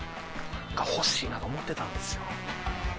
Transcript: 欲しいなと思ってたんですよ。